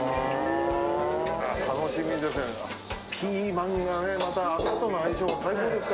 楽しみです。